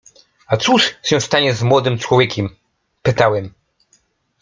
„A cóż się stanie z młodym człowiekiem?” — pytałem.